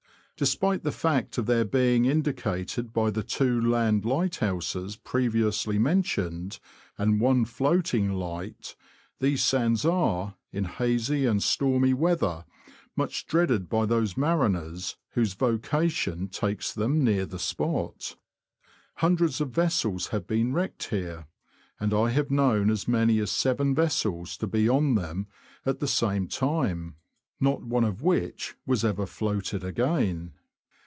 Despite the fact of their being indicated by the two land lighthouses previously men tioned, and one floating light, these sands are, in hazy and stormy weather, much dreaded by those mariners whose vocation takes them near the spot. Hundreds of vessels have been wrecked here, and I have known as many as seven vessels to be on them at the same time, not one of which was ever floated again.